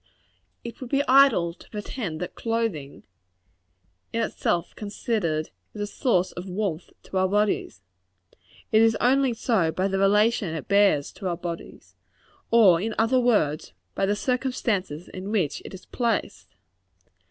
It would be idle to pretend that clothing, in itself considered, is a source of warmth to our bodies. It is only so by the relation it bears to our bodies; or, in other words, by the circumstances in which it is placed.